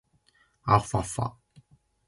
あふぁふぁ